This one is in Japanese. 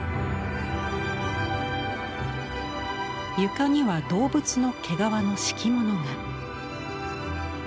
床には動物の毛皮の敷物が。